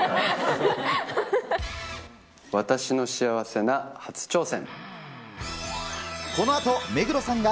わたしの幸せな初挑戦。